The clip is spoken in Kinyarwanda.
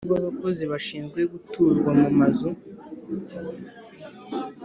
Uruhare rw abakozi bashinzwe gutuzwa mu mazu